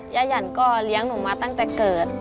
หยันก็เลี้ยงหนูมาตั้งแต่เกิด